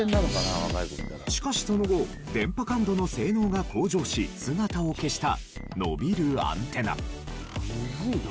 しかしその後電波感度の性能が向上し姿を消した伸びるアンテナ。